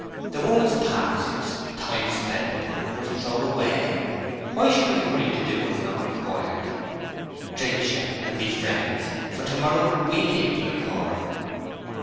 The woman's past us—time spent upon her is throwed away: why should we hurry to do what's not required? Drink, shepherd, and be friends, for to morrow we may be like her."